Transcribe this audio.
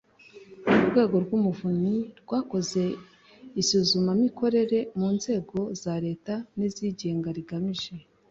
Urwego rw Umuvunyi rwakoze isuzumamikorere mu nzego za Leta n izigenga rigamije